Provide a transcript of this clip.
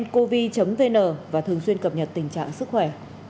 covid vn và thường xuyên cập nhật tình trạng sức khỏe